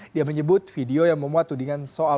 dia menyebut video yang memuat tudingan soal